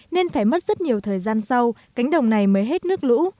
nên phải mất rất nhiều thời gian sau cánh đồng này mới hết nước lũ